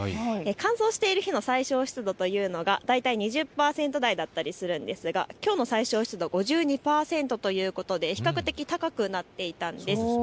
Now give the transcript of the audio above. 乾燥している日の最小湿度というのが大体２０％だったりするんですがきょうの最小湿度５２％ということで比較的高くなっていたんです。